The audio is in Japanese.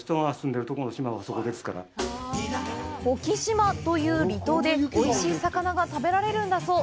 沖島という離島でおいしい魚が食べられるんだそう。